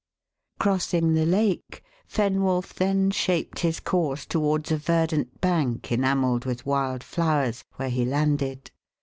Crossing the lake, Fenwolf then shaped his course towards a verdant bank enamelled with wild flowers, where he landed.